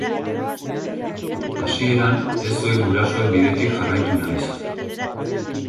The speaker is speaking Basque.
Hasieran ez zuen gurasoen bidetik jarraitu nahi izan.